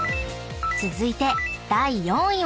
［続いて第４位は］